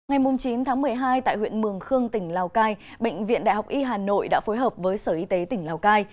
ngày chín tháng một mươi hai tại huyện mường khương tỉnh lào cai bệnh viện đại học y hà nội đã phối hợp với sở y tế tỉnh lào cai